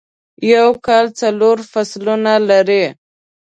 یوکال څلور فصلونه لری